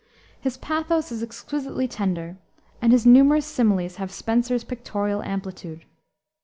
His pathos is exquisitely tender, and his numerous similes have Spenser's pictorial amplitude.